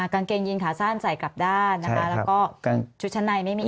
กางเกงยีนขาสั้นใส่กลับด้านนะคะแล้วก็ชุดชั้นในไม่มี